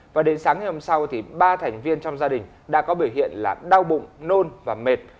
và đến sáng hôm sau ba thành viên trong gia đình đã có biểu hiện đau bụng nôn và mệt